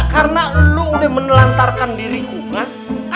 karena lo udah menelantarkan diriku kan